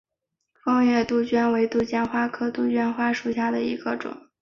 皋月杜鹃为杜鹃花科杜鹃花属下的一个种。